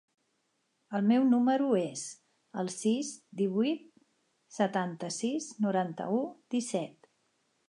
El meu número es el sis, divuit, setanta-sis, noranta-u, disset.